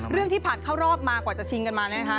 เรื่องที่ผ่านเข้ารอบมากว่าจะชิงกันมานะครับ